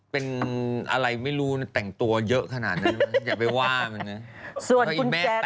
เป็นอะไรไม่รู้เนี่ยแต่งตัวเยอะขนาดนั้นจับไปว่ามันนะฮะ